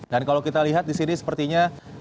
dan kalau kita lihat di sini sepertinya